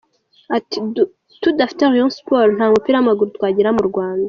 Ati: “Tudafite Rayon Sports nta mupira w’amaguru twagira mu Rwanda.